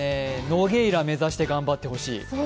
ノゲイラ目指して頑張ってほしい。